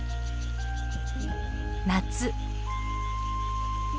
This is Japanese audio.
夏。